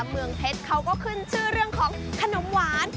เมืองเพชรเขาก็ขึ้นชื่อเรื่องของขนมหวาน